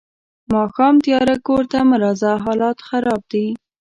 ماښام تیارۀ کور ته مه راځه حالات خراب دي.